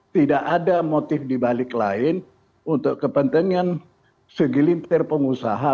tidak ada motif dibalik lain untuk kepentingan segelintir pengusaha